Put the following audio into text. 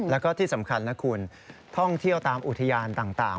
แล้วก็ที่สำคัญนะคุณท่องเที่ยวตามอุทยานต่าง